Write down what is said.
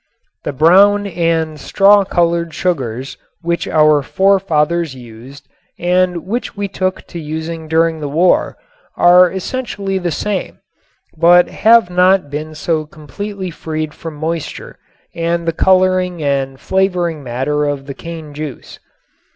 The brown and straw colored sugars, which our forefathers used and which we took to using during the war, are essentially the same but have not been so completely freed from moisture and the coloring and flavoring matter of the cane juice.